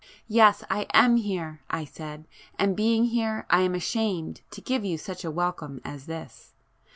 "Yes I am here," I said—"And being here I am ashamed to give you such a welcome as this.